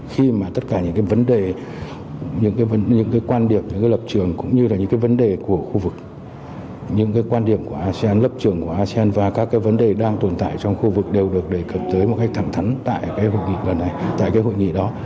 khi mà tất cả những cái vấn đề những cái quan điểm những cái lập trường cũng như là những cái vấn đề của khu vực những cái quan điểm của asean lập trường của asean và các cái vấn đề đang tồn tại trong khu vực đều được đề cập tới một cách thẳng thắn tại cái hội nghị lần này tại cái hội nghị đó